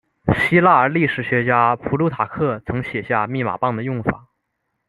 希腊历史学家普鲁塔克曾写下密码棒的用法。